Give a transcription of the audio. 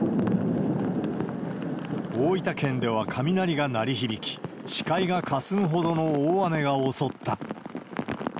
大分県では雷が鳴り響き、視界がかすむほどの大雨が襲った。